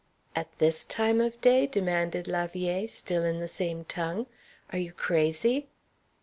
"At this time of day?" demanded la vieille, still in the same tongue. "Are you crazy?"